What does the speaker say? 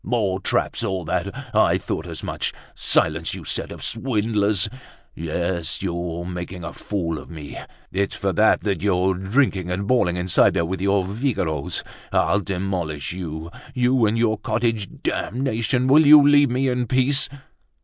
"More traps, all that! I thought as much. Silence, you set of swindlers! Yes, you're making a fool of me. It's for that that you're drinking and bawling inside there with your viragoes. I'll demolish you, you and your cottage! Damnation! Will you leave me in peace?"